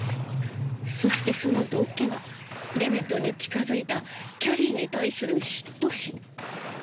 そしてその動機はデビッドに近づいたキャリーに対する嫉妬心。